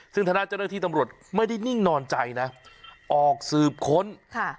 ซึ่งธนาเจ้าหน้าที่ตำรวจไม่ได้นิ่งนอนใจนะออกสืบค้นค่ะ